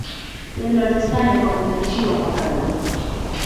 Jednak zostanie po mnie ta siła fatalna